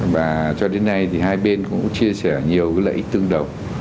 và cho đến nay hai bên cũng chia sẻ nhiều lợi ích tương đồng